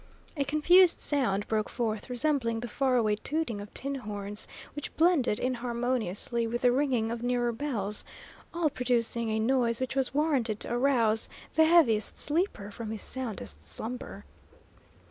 A confused sound broke forth, resembling the faraway tooting of tin horns, which blended inharmoniously with the ringing of nearer bells, all producing a noise which was warranted to arouse the heaviest sleeper from his soundest slumber.